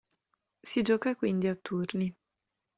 Si gioca quindi a turni.